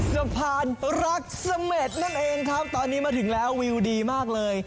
สะพานรักเสม็ดนั่นเองครับตอนนี้มาถึงแล้ววิวดีมากเลย